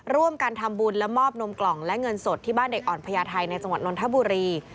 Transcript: ร่วมกันทำบุญและมอบนมกล่องและเงินสดที่บ้านเด็กอ่อนพญาไทยในจังหวัดนนทบุรี